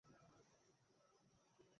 আপনার ক্রেডিটকার্ডের নাম্বার।